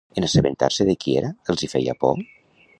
En assabentar-se de qui era, els hi feia por?